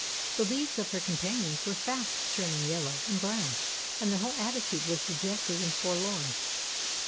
The leaves of her companions were fast turning yellow and brown and their whole attitude was dejected and forlorn.